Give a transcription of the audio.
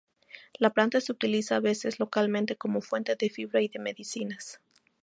La planta se utiliza a veces localmente como fuente de fibra y de medicinas.